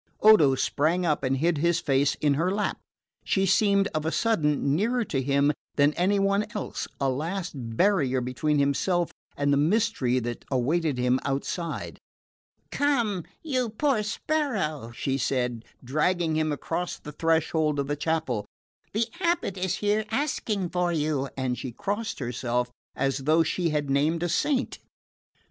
Odo sprang up and hid his face in her lap. She seemed, of a sudden, nearer to him than any one else a last barrier between himself and the mystery that awaited him outside. "Come, you poor sparrow," she said, dragging him across the threshold of the chapel, "the abate is here asking for you;" and she crossed herself, as though she had named a saint.